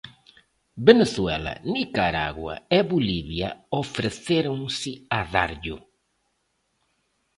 Venezuela, Nicaragua e Bolivia ofrecéronse a darllo.